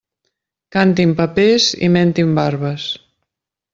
Cantin papers i mentin barbes.